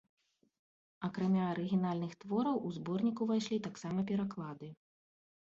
Акрамя арыгінальных твораў у зборнік увайшлі таксама пераклады.